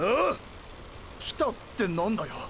来たって何だよ。